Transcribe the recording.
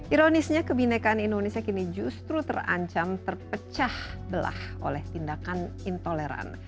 ironisnya kebinekaan indonesia kini justru terancam terpecah belah oleh tindakan intoleran